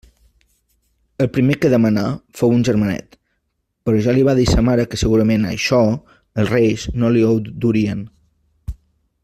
El primer que demanà fou un germanet, però ja li va dir sa mare que segurament «això» els Reis no li ho durien.